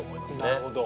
なるほど。